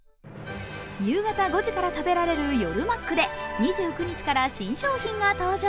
夕方５時から食べられる夜マックで２９日から新商品が登場。